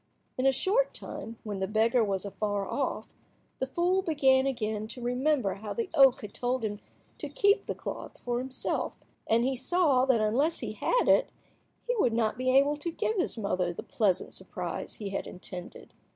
In a short time, when the beggar was afar off, the fool began again to remember how the oak had told him to keep the cloth for himself, and he saw that unless he had it he would not be able to give his mother the pleasant surprise he had intended.